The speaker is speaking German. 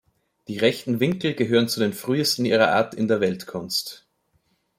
Die rechten Winkel gehören zu den frühesten ihrer Art in der Weltkunst.